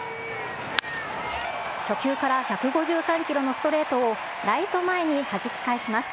初球から１５３キロのストレートをライト前にはじき返します。